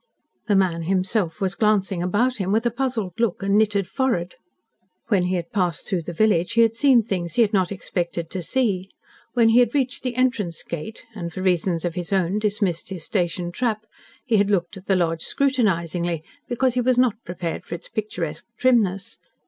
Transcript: The man himself was glancing about him with a puzzled look and knitted forehead. When he had passed through the village he had seen things he had not expected to see; when he had reached the entrance gate, and for reasons of his own dismissed his station trap, he had looked at the lodge scrutinisingly, because he was not prepared for its picturesque trimness.